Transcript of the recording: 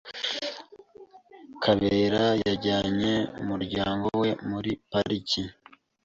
Kabera yajyanye umuryango we muri pariki.